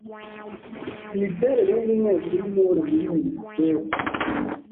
Imiterere y’Inteko y’Intore muri Minisiteri